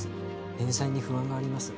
返済に不安があります